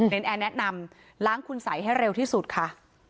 แอร์แนะนำล้างคุณสัยให้เร็วที่สุดค่ะ